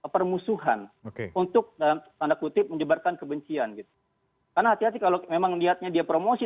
permusuhan untuk menyebarkan kebencian karena hati hati kalau memang niatnya dia promosi